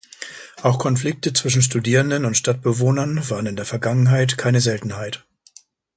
Auch Konflikte zwischen Studierenden und Stadtbewohnern waren in der Vergangenheit keine Seltenheit.